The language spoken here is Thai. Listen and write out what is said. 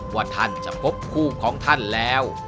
ว่าท่านจะพบคู่ของท่านแล้ว